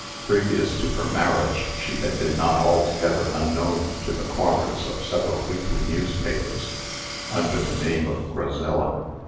Previous to her marriage, she had been not altogether unknown to the corners of several weekly newspapers, under the name of "Grazella."